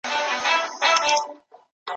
دا فاني دنیا تیریږي بیا به وکړی ارمانونه